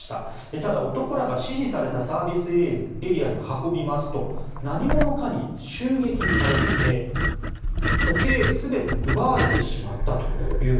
ただ、男らが指示されたサービスエリアに運びますと何者かに襲撃されて時計全て奪われてしまったと。